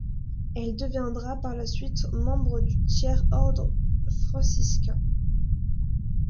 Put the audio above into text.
Elle deviendra par la suite membre du Tiers-ordre franciscain.